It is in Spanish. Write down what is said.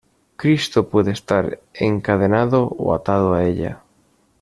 Cristo puede estar encadenado o atado a ella.